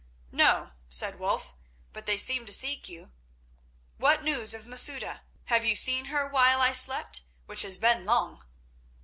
"No," said Wulf, "but they seem to seek you. What news of Masouda? Have you seen her while I slept, which has been long?"